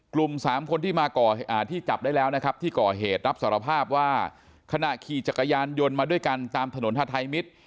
กลุ่ม๓คนที่ก่อเหตุรัฐภาพว่าขณะขี่จักรยานยนต์มาด้วยกันตามถนนท่าไทยมิตร